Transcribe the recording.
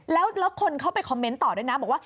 แล้วคนเข้าไปคอมเมนต์ต่อด้วยนะบอกว่า